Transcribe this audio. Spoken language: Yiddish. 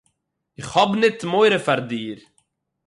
איך האָב ניט מורא פֿאַר דיר.